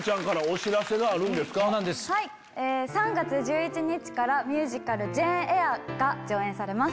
３月１１日からミュージカル『ジェーン・エア』が上演されます。